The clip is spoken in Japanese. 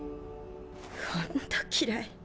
ほんと嫌い。